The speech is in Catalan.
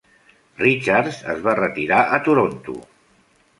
Richards es va retirar a Toronto.